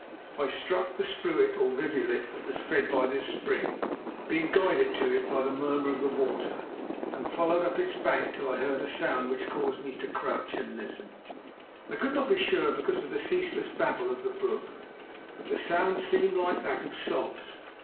I struck the spruit or rivulet that was fed by this spring, being guided to it by the murmur of the water, and followed up its bank till I heard a sound which caused me to crouch and listen. I could not be sure because of the ceaseless babble of the brook, but the sound seemed like that of sobs.